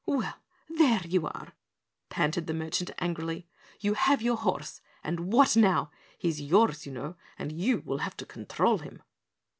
"Well, there you are!" panted the merchant angrily. "You have your horse and what now? He's yours, you know, and you'll have to control him."